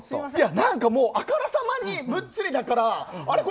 何かあからさまにムッツリだからあれ？